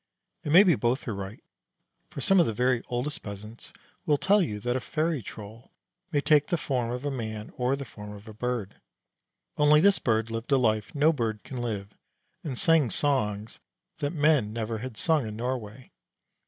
And maybe both were right, for some of the very oldest peasants will tell you that a Fairy troll may take the form of a man or the form of a bird. Only this bird lived a life no bird can live, and sang songs that men never had sung in Norway.